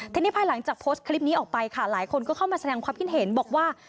ทีนี้ภายหลังจากโพสต์คลิปนี้ออกไปค่ะหลายคนก็เข้ามาแสดงความคิดเห็นบอกว่า